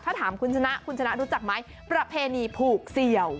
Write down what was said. ถ้าถามคุณชนะคุณชนะรู้จักไหมประเพณีผูกเสี่ยว